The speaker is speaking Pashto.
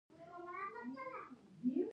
کنیشکا د دې کورنۍ لوی پاچا شو